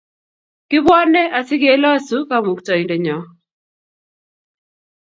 Kibwane si kilosu kamukraindennyo.